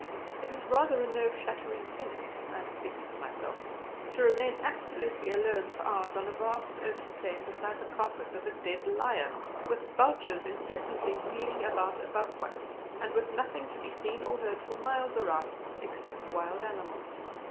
It is rather a nerve shattering thing I am speaking for myself to remain absolutely alone for hours on a vast open plain beside the carcase of a dead lion, with vultures incessantly wheeling about above one, and with nothing to be seen or heard for miles around except wild animals.